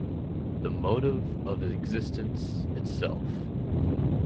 The motive of existence itself.